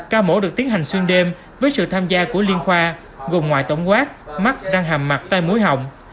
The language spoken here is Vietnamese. ca mổ được tiến hành xuyên đêm với sự tham gia của liên khoa gồm ngoại tổng quát mắt răng hàm mặt tai mũi hỏng